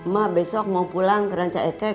ma besok mau pulang ke rancakekek